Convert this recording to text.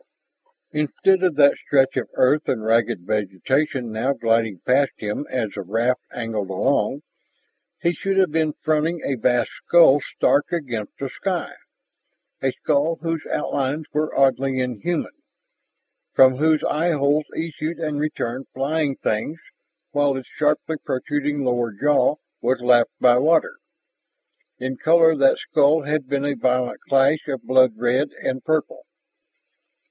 Instead of that stretch of earth and ragged vegetation now gliding past him as the raft angled along, he should have been fronting a vast skull stark against the sky a skull whose outlines were oddly inhuman, from whose eyeholes issued and returned flying things while its sharply protruding lower jaw was lapped by water. In color that skull had been a violent clash of blood red and purple.